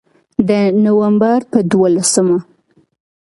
د نومبر په دولسمه